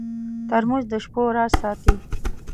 ترموز د شپو راز ساتي.